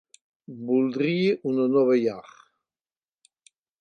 Voldria una nova llar.